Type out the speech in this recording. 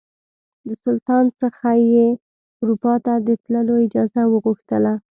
د سلطان څخه یې اروپا ته د تللو اجازه وغوښتله.